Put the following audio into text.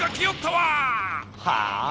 はあ